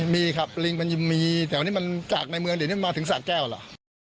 มีครับล็งมันจะมีแต่วันนี้มันจากในเมืองเดี๋ยวงันมาถึงสาคแก้วหรอ